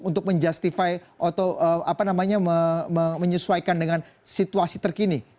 untuk menjustify atau apa namanya menyesuaikan dengan situasi terkini